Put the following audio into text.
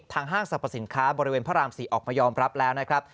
ห้างสรรพสินค้าบริเวณพระราม๔ออกมายอมรับแล้วนะครับ